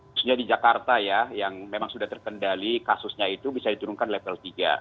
khususnya di jakarta ya yang memang sudah terkendali kasusnya itu bisa diturunkan level tiga